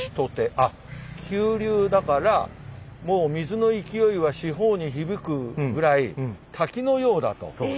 あっ急流だからもう水の勢いは四方に響くぐらい滝のようだと。